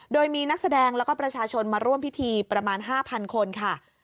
โดยมีนักแสดงแล้วก็ประชาชนมาร่วมพิธีประมาณ๕๐๐คนค่ะ